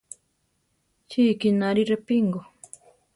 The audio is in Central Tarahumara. Chi ikínari Repingo.